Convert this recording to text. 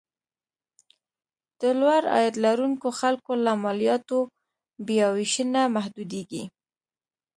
د لوړ عاید لرونکو خلکو له مالیاتو بیاوېشنه محدودېږي.